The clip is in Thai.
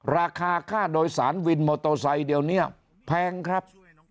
ราคาค่าโดยสารวินโมโตไซค์เดี๋ยวเนี่ยแพงครับ